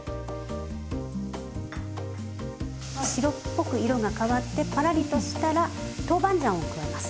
白っぽく色が変わってパラリとしたらトウバンジャンを加えます。